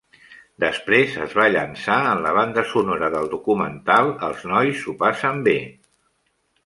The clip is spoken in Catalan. Després es va llançar en la banda sonora del documental "Els nois s'ho passen bé".